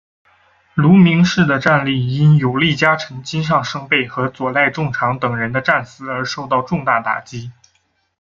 芦名氏的战力因有力家臣金上盛备和佐濑种常等人的战死而受到重大打击。